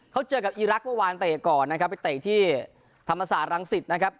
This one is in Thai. เขาเจอกับอีรักษ์เมื่อวานเตะก่อนนะครับไปเตะที่ธรรมศาสตรังสิตนะครับ